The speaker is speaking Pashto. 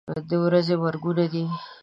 د ورځې مرګونه دي.